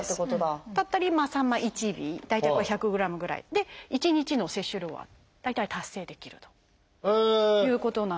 さんま１尾大体これ１００グラムぐらいで１日の摂取量は大体達成できるということなんです。